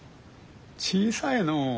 小さいのう。